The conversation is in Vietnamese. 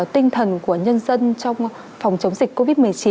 tinh thần của nhân dân trong phòng chống dịch covid một mươi chín